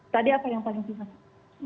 tadi apa yang paling dihasilkan